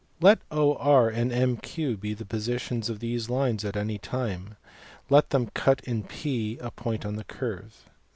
Let OR and MQ be the positions of these lines at any time; and let them cut in P, a point on the curve.